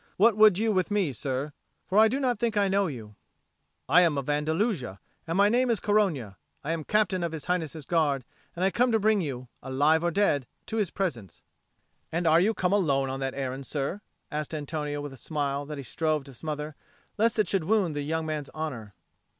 What would you with me, sir? For I do not think I know you." "I am of Andalusia, and my name is Corogna. I am Captain of His Highness's Guard, and I come to bring you, alive or dead, to his presence." "And are you come alone on that errand, sir?" asked Antonio with a smile that he strove to smother, lest it should wound the young man's honour.